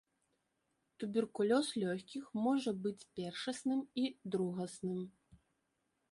Туберкулёз лёгкіх можа быць першасным і другасным.